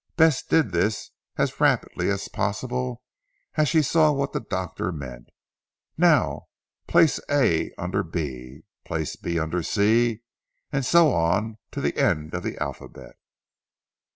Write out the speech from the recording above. Bess did this as rapidly as possible as she saw what the doctor meant. "Now place A under B, B under C, and so on to the end of the alphabet."